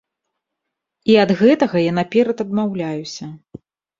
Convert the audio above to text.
І ад гэтага я наперад адмаўляюся.